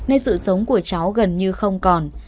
nên sự sống của cháu gần như không còn